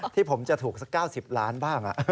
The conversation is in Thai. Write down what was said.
ที่ผมจะถูกสัก๙๐ล้านบ้าง